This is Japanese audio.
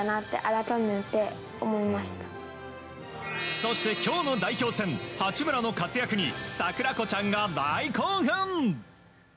そして、今日の代表戦八村の活躍に桜子ちゃんが大興奮！